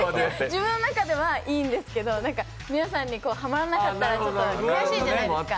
自分の中ではいいんですけど皆さんにハマらなかったらちょっと悔しいじゃないですか。